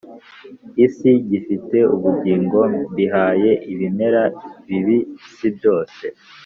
isi gifite ubugingo mbihaye ibimera bibisi byose